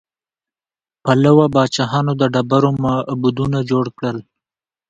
پالوا پاچاهانو د ډبرو معبدونه جوړ کړل.